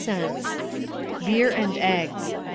5 cents. Beer and Eggs